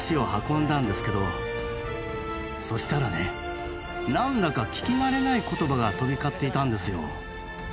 そしたらね何だか聞き慣れない言葉が飛び交っていたんですよ。